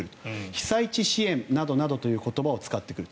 被災地支援などという言葉を使ってくる。